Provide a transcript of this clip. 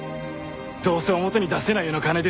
どうせ表に出せないような金ですよ。